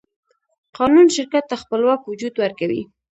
قانون شرکت ته خپلواک وجود ورکوي.